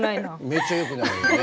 めっちゃよくないよね。